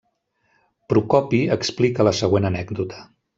Procopi explica la següent anècdota.